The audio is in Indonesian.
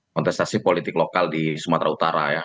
kontestasi politik lokal di sumatera utara ya